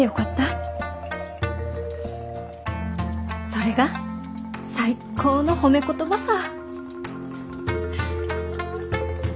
それが最高の褒め言葉さ。